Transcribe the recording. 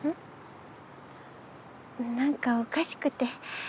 なんかおかしくて。